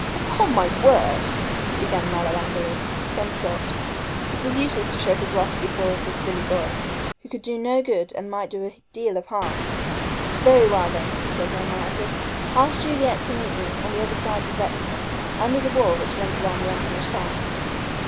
"Upon my word " began Mallow angrily, then stopped. It was useless to show his wrath before this silly boy, who could do no good and might do a deal of harm. "Very well, then," he said more mildly, "ask Juliet to meet me on the other side of Rexton, under the wall which runs round the unfinished house."